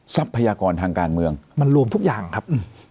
ทรัพยากรทางการเมืองมันรวมทุกอย่างครับ